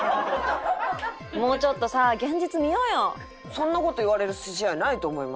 そんな事言われる筋合いないと思いますけど。